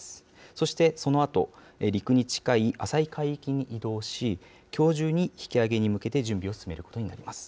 そしてそのあと、陸に近い浅い海域に移動し、きょう中に引き揚げに向けて準備を進めることになります。